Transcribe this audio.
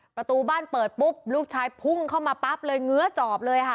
ประตูบ้านเปิดปุ๊บลูกชายพุ่งเข้ามาปั๊บเลยเงื้อจอบเลยค่ะ